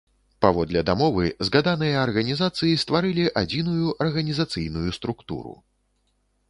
Паводле дамовы, згаданыя арганізацыі стварылі адзіную арганізацыйную структуру.